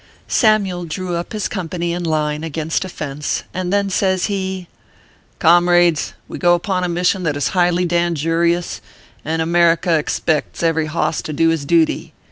Samyule drew up his company in line against a fence, and then says he :" Comrades, we go upon a mission that is highly dangurious, and America expects every hoss to do his duty.